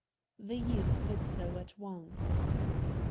The youth did so at once.